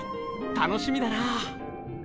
楽しみだな。